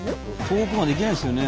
遠くまで行けないですよね。